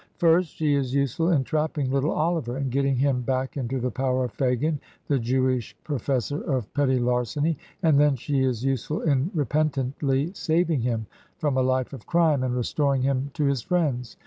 First she is useful in trapping little Oliver, and getting him back into the power of Fagin, the Jewish professor of petty larceny, and then she is useful in repentantly sav ing him from a life of crime, and restoring him to his friends.